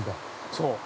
◆そう。